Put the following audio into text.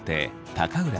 高浦